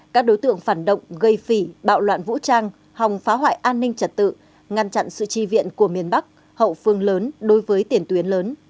các đối tượng phản động gây phỉ bạo loạn vũ trang hòng phá hoại an ninh trật tự ngăn chặn sự tri viện của miền bắc hậu phương lớn đối với tiền tuyến lớn